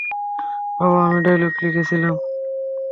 বাবা আমি ডায়লগ লিখছিলাম।